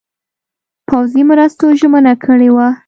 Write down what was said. پوځي مرستو ژمنه کړې وه.